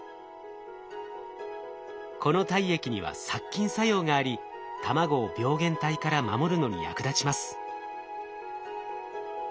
この体液には殺菌作用があり卵を病原体から守るのに役立ちます。